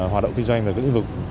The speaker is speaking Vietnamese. hoạt động kinh doanh về các lĩnh vực